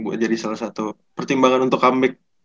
buat jadi salah satu pertimbangan untuk kami